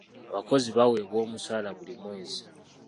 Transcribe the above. Abakozi baweebwa omusala buli mwezi.